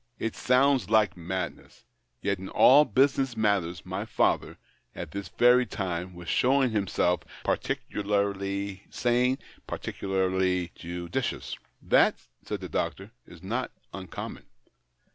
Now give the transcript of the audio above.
It sounds like mad ness ; yet in all business matters my father, at this very time, was« showing himself particu larly sane, particularly judicious." " That," said the doctor, " is not un common."